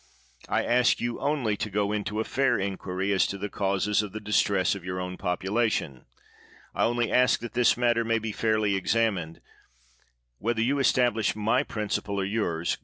I ask you only to go into a fair inquiry as to the causes of the distress of your own population. I only ask that this matter may be fairly examined. Whetlier you establish my principle or yours.